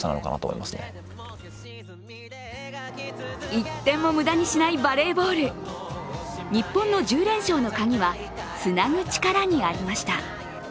１点も無駄にしないバレーボール日本の１０連勝のカギはつなぐ力にありました。